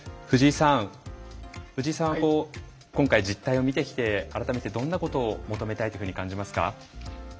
藤井さんは今回、実態を見てきて改めて、どんなことを求めたいと感じますか？